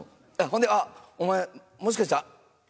ほんで「お前もしかしたら」。